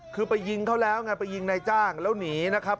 คือไปยิงเขาแล้วไงไปยิงนายจ้างแล้วหนีนะครับ